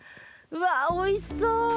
うわおいしそう！